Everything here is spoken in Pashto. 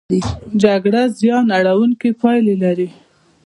جګړه زیان اړوونکې پایلې لري.